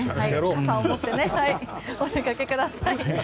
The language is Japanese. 傘を持ってお出かけください。